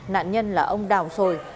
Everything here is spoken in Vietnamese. nạn nhân là ông đào sồi